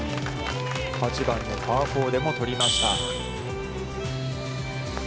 ８番のパー４でも取りました。